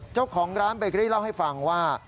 เจ้าของร้านเบเกอรี่เล่าให้ฟังว่า